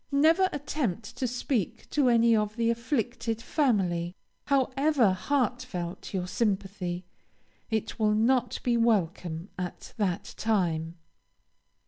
Never attempt to speak to any of the afflicted family. However heartfelt your sympathy, it will not be welcome at that time.